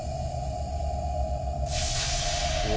お！